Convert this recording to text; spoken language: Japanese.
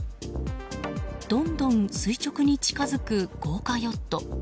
どんどん垂直に近づく豪華ヨット。